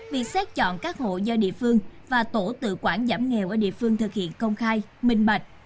việc xét chọn các hộ do địa phương và tổ tự quản giảm nghèo ở địa phương thực hiện công khai minh bạch